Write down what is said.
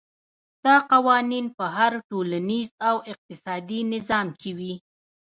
دا قوانین په هر ټولنیز او اقتصادي نظام کې وي.